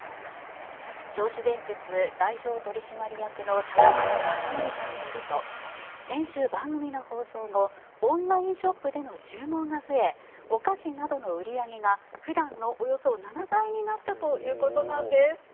銚子電鉄代表取締役の竹本勝紀さんによると先週番組の放送後オンラインショップでの注文が増えお菓子などの売り上げが普段のおよそ７倍になったということなんです。